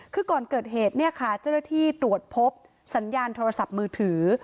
คือก่อนเกิดเหตุจะได้ที่ตรวจพบสัญญาณโทรศัพท์มือถือ